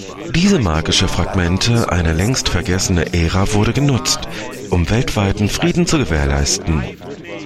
Diese magischen Fragmente einer längst vergessenen Ära wurden genutzt, um weltweiten Frieden zu gewährleisten.